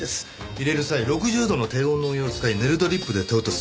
淹れる際６０度の低温のお湯を使いネルドリップで手落としする。